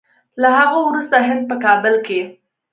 له هغه وروسته هند په کابل کې